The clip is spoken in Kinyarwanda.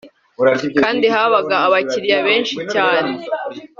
kandi habaga abakiriya benshi cyane